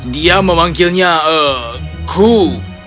dia memanggilnya koo